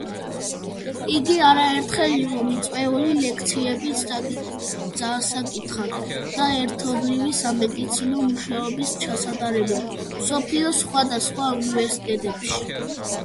იგი არაერთხელ იყო მიწვეული ლექციების წასაკითხად და ერთობლივი სამეცნიერო მუშაობის ჩასატარებლად მსოფლიოს სხვადასხვა უნივერსიტეტებში.